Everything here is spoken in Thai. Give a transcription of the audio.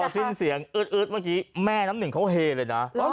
สิ้นเสียงอืดเมื่อกี้แม่น้ำหนึ่งเขาเฮเลยนะ